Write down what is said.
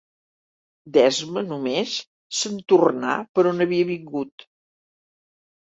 D'esma només, se'n tornà per on havia vingut.